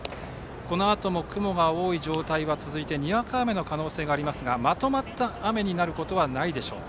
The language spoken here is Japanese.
このあとも雲が多い状態は続いてにわか雨の可能性がありますがまとまった雨になることはないでしょう。